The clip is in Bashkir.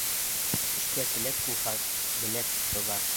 Эшкә теләк булһа, беләк сыҙар.